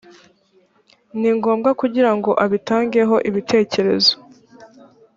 ni ngombwa kugira ngo abitangeho ibitekerezo